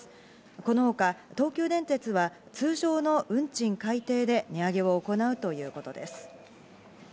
このほか、東急電鉄は通常の運賃改定で値上げを行うということです。